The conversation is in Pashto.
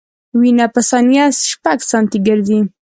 وینه په ثانیه شپږ سانتي ګرځي.